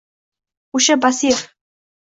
O’sha basir